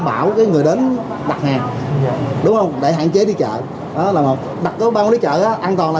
bảo cái người đến đặt hàng đúng không để hạn chế đi chợ đó là một đặt tới ban quản lý chợ á an toàn là